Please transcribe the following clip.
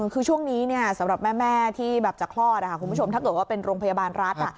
คือช่วงนี้สำหรับแม่ที่แบบจะคลอดคุณผู้ชมถ้าเกิดว่าเป็นโรงพยาบาลรัฐ